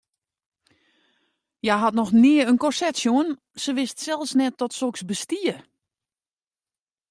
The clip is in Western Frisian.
Hja hat noch nea in korset sjoen, se wist sels net dat soks bestie.